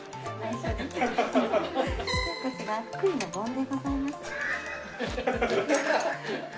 こちら福井の梵でございます。